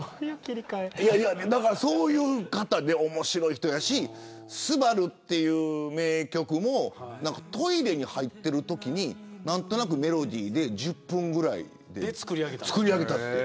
そういう方で面白い人やし昴という名曲もトイレに入っているときに何となくメロディーで１０分ぐらいで作り上げた。